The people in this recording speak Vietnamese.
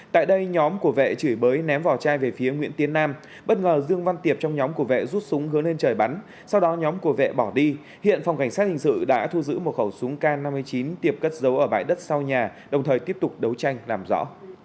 tại đây nhóm của vệ chửi bới ném vào chai về phía nguyễn tiến nam bất ngờ dương văn tiệp trong nhóm của vệ rút súng hứa lên trời bắn sau đó nhóm của vệ bỏ đi hiện phòng cảnh sát hình sự đã thu giữ một khẩu súng k năm mươi chín tiệp cất giấu ở bãi đất sau nhà đồng thời tiếp tục đấu tranh làm rõ